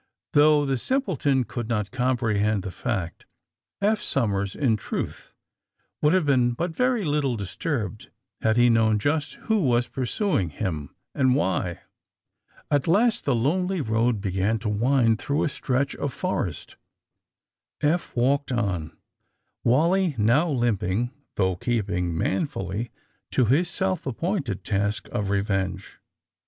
' Though the simpleton could not comprehend the fact, Eph Somers, in truth, would have been but very little disturbed had he known just who was pursuing him, and why. At last the lonely road began to wind through a stretch of forest. Eph walked on, Wally now limping though keeping manfully to his self appointed task of revenge.